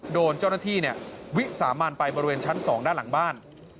โดนเจ้าหน้าที่วิสามันไปบริเวณชั้น๒ด้านหลังบ้าน